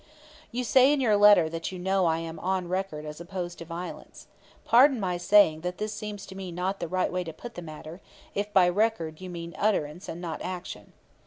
"You say in your letter that you know that I am 'on record' as opposed to violence. Pardon my saying that this seems to me not the right way to put the matter, if by 'record' you mean utterance and not action.